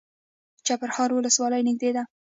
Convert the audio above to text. چپرهار ولسوالۍ نږدې ده؟